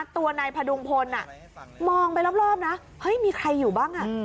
ตัวนายพดุงพลมองไปรอบนะเฮ้ยมีใครอยู่บ้าง